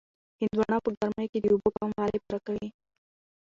هندواڼه په ګرمۍ کې د اوبو کموالی پوره کوي.